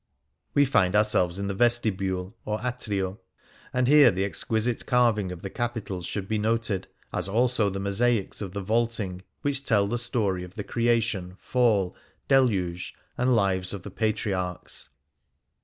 We find ourselves in the vestibule, or at7'io, and here the exquisite carving of the capitals should be noted, as also the mosaics of the vaulting, which tell the story of the Creation, Fall, Deluge, and Lives of the Patri archs.